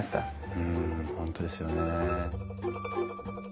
うん本当ですよね。